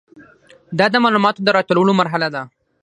دا د معلوماتو د راټولولو مرحله ده.